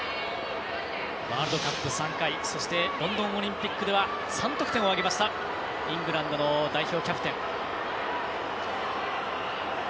ワールドカップ３回そしてロンドンオリンピックでは３得点を挙げましたイングランドの代表キャプテン。